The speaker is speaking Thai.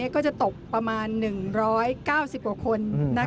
ก็จะตกประมาณ๑๙๐กว่าคน